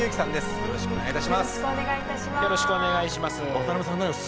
よろしくお願いします。